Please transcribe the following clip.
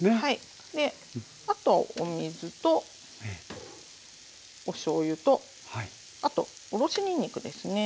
あとはお水とおしょうゆとあとおろしにんにくですね。